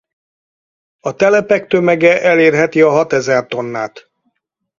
A telepek tömege elérheti a hatezer tonnát.